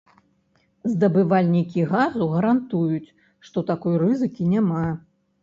Здабывальнікі газу гарантуюць, што такой рызыкі няма.